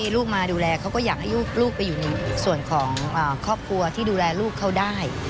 ลูกไปอยู่ในส่วนของครอบครัวที่ดูแลลูกเขาได้